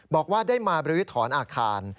บอกว่าได้มาบริวิทรรณอาคาร